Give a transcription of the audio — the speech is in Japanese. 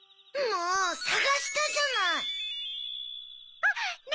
もうさがしたじゃない！